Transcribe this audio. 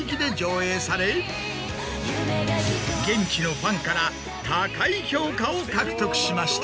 現地のファンから高い評価を獲得しました。